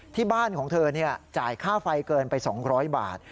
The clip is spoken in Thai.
ที่บ้านของเธอจ่ายค่าไฟเกินไป๒๐๐บาท